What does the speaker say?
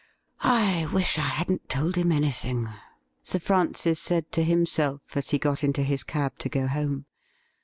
' I wish I hadn't told him anything,' Sir Francis said to himself as he got into his cab to go home.